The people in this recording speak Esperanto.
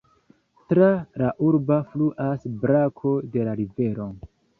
Tra la urbo fluas brako de la rivero.